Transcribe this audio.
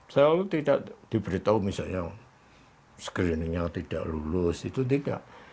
selalu tidak diberitahu misalnya screeningnya tidak lulus itu tidak